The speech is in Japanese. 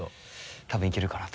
多分いけるかなと。